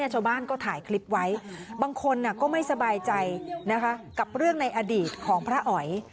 ชาวบ้านก็ถ่ายคลิปไว้บางคนก็ไม่สบายใจกับเรื่องในอดีตของพระอ๋อย